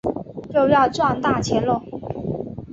又要赚大钱啰